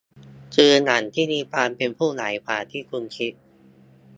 คือหนังที่มีความเป็นผู้ใหญ่กว่าที่คุณคิด